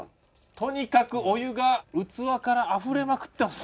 とにかくお湯が器からあふれまくってます。